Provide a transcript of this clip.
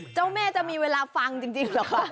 เจ้าแม่จะมีเวลาฟังจริงเหรอคะ